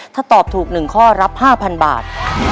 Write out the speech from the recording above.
ถ้าตอบถูก๑ข้อรับ๕๐๐บาท